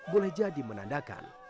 boleh jadi menandakan